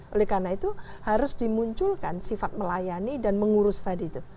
oleh karena itu harus dimunculkan sifat melayani dan mengurus tadi itu